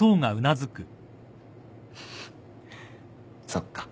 そっか。